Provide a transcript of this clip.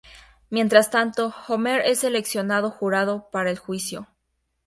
Mientras tanto, Homer es seleccionado jurado para el juicio.